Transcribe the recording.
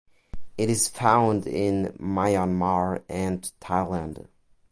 It is found in Myanmar and Thailand.